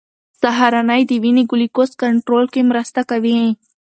سهارنۍ د وینې ګلوکوز کنټرول کې مرسته کوي.